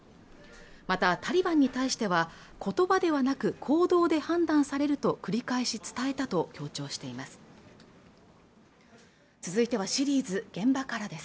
またタリバンに対しては言葉ではなく行動で判断されると繰り返し伝えたと強調しています